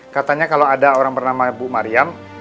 katanya kalau ada orang bernama bu mariam